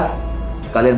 aku akan berhenti